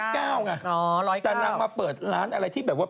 แต่นางมาเปิดร้านอะไรที่แบบว่า